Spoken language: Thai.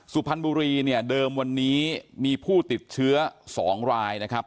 สุพรรณบุรีเนี่ยเดิมวันนี้มีผู้ติดเชื้อ๒รายนะครับ